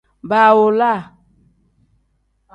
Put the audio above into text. Baawolaa.